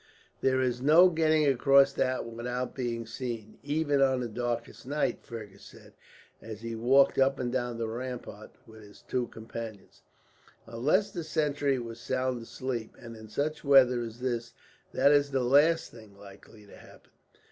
"There is no getting across that without being seen, even on the darkest night," Fergus said, as he walked up and down the rampart with his two companions, "unless the sentry was sound asleep; and in such weather as this, that is the last thing likely to happen.